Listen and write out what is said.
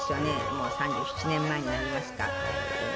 もう３７年前になりますか。